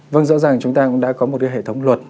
vâng rõ ràng chúng ta cũng đã có một cái hệ thống luật